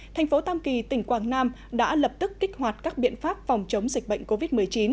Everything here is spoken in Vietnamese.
thành phố tam kỳ tỉnh quảng nam đã lập tức kích hoạt các biện pháp phòng chống dịch bệnh covid một mươi chín